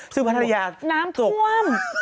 ซึ่งพัทยาน้ำท่วม